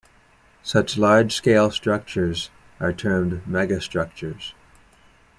Such large-scale structures are termed megastructures.